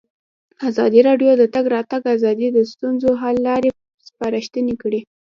ازادي راډیو د د تګ راتګ ازادي د ستونزو حل لارې سپارښتنې کړي.